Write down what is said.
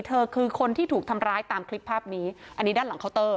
เธอคือคนที่ถูกทำร้ายตามคลิปภาพนี้อันนี้ด้านหลังเคาน์เตอร์